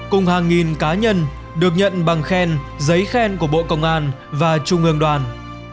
cùng hàng nghìn cá nhân được nhận bằng khen giấy khen của bộ công an và trung ương đoàn